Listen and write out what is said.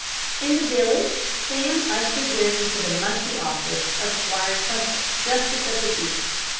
In the village, Sam ushered them into the musty law office of Squire Tucker, justice of the peace.